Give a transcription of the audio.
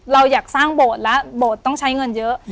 เราอยากสร้างโบสถ์แล้ว